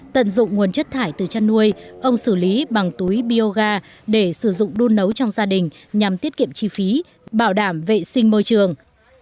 tận dụng nguồn chất thải từ chăn nuôi ông xử lý bằng túi bioga để sử dụng đun nấu trong gia đình nhằm tiết kiệm chi phí bảo đảm vệ sinh môi trường